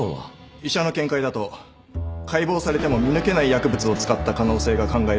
医者の見解だと解剖されても見抜けない薬物を使った可能性が考えられると。